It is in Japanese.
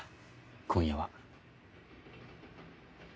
今夜は。